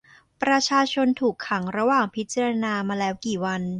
ประชาชนถูกขังระหว่างพิจารณามาแล้วกี่วัน ?